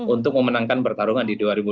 untuk memenangkan pertarungan di dua ribu dua puluh